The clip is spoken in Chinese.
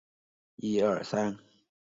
讷沙托站位于讷沙托市区的西北部。